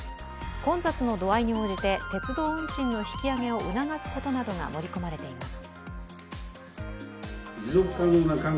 混雑の度合いに応じて鉄道運賃の引き上げを促すことなどが盛り込まれています。